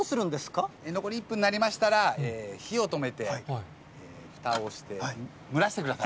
残り１分になりましたら、火を止めて、ふたをして、蒸らしてください。